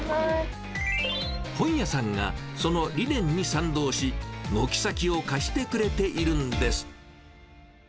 本屋さんがその理念に賛同し、軒先を貸してくれているんです。